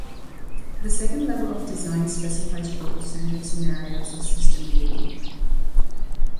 The second level of design specifies role-centered scenarios of system use.